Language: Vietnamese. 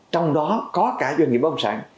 trong đó có cả doanh nghiệp ông sản